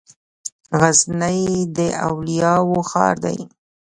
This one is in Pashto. غزنی د اولیاوو ښار دی.